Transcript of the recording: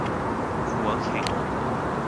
หัวแข็ง